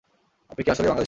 আপনি কি আসলেই বাংলাদেশি?